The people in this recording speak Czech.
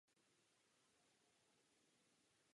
Psala německy.